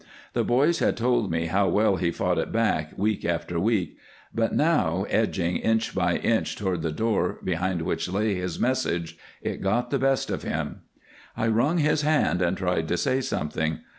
The boys had told me how well he fought it back week after week, but now, edging inch by inch toward the door behind which lay his message, it got the best of him. I wrung his hand and tried to say something.